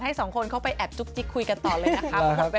สองคนเข้าไปแอบจุ๊กจิ๊กคุยกันต่อเลยนะคะ